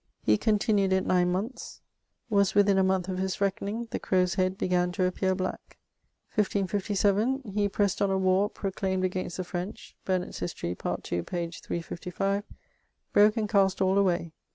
He continued it nine monthes; was within a month of his reckoning; the crowe's head began to appear black. 1557 He, pressed on a warre proclaimed against the French (Burnet's History, part 2, p. 355), broke and cast all away.